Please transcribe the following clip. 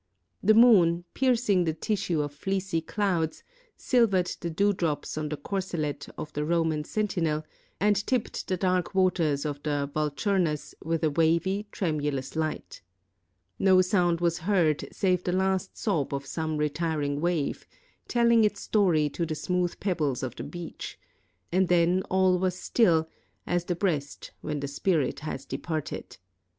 The moon, piercing the tissue of fleecy clouds, silvered the dewdrops on the corselet of the Roman sentinel, and tipped 'the dark waters of the Vulturnus with a wavy, tremulous light. No sound was heard save the last sob of some retiring wave, telling its story to the smooth pebbles of the beach ; and then all was still as the breast when the spirit has departed.